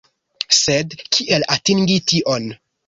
Sed kiel atingi tion?